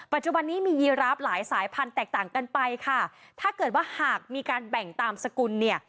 ปัจจุบันนี้มียีราฟหลายสายพันธุแตกต่างกันไปค่ะถ้าเกิดว่าหากมีการแบ่งตามสกุลเนี่ย